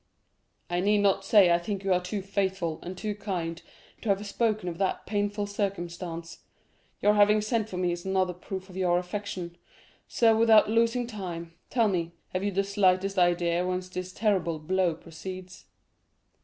"I need not say I think you are too faithful and too kind to have spoken of that painful circumstance. Your having sent for me is another proof of your affection. So, without losing time, tell me, have you the slightest idea whence this terrible blow proceeds?"